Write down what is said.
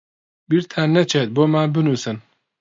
بیرتان نەچێت بۆمان بنووسن.